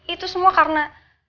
itu semua karena